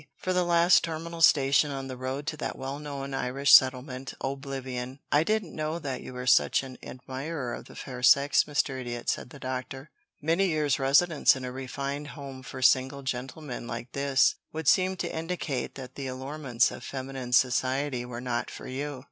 for the last terminal station on the road to that well known Irish settlement, O'Blivion." "I didn't know that you were such an admirer of the fair sex, Mr. Idiot," said the Doctor. "Many years' residence in a refined home for single gentlemen like this would seem to indicate that the allurements of feminine society were not for you."